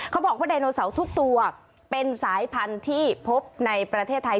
ไดโนเสาร์ทุกตัวเป็นสายพันธุ์ที่พบในประเทศไทย